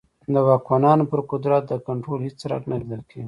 د واکمنانو پر قدرت د کنټرول هېڅ څرک نه لیدل کېږي.